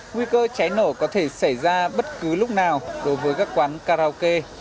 nguy cơ cháy nổ có thể xảy ra bất cứ lúc nào đối với các quán karaoke